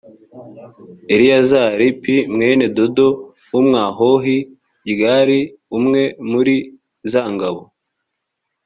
eleyazari p mwene dodo w umwahohi r yari umwe muri za ngabo